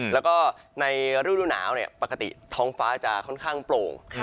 แล้วก็ในฤดูหนาวปกติท้องฟ้าจะค่อนข้างโปร่ง